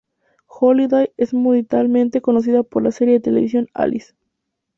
Holliday es mundialmente conocida por la serie de televisión "Alice".